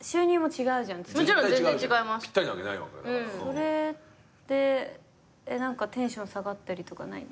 それって何かテンション下がったりとかないの？